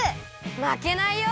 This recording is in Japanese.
まけないよ！